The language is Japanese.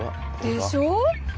でしょ？